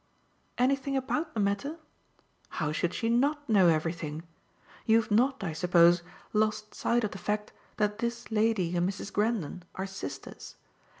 "Anything about the matter? How should she NOT know everything? You've not, I suppose, lost sight of the fact that this lady and Mrs. Grendon are sisters.